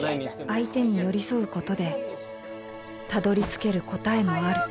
相手に寄り添うことでたどりつける答えもある。